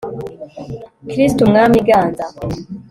kristu mwami ganza